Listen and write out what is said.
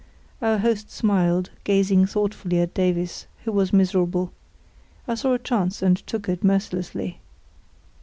Our host smiled, gazing thoughtfully at Davies, who was miserable. I saw a chance, and took it mercilessly.